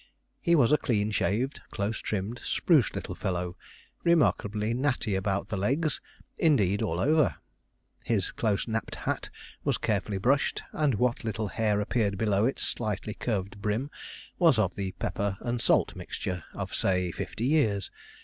He was a clean shaved, close trimmed, spruce little fellow; remarkably natty about the legs indeed, all over. His close napped hat was carefully brushed, and what little hair appeared below its slightly curved brim was of the pepper and salt mixture of say, fifty years.